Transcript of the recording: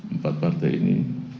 empat partai ini